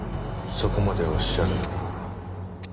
そこまでおっしゃるなら。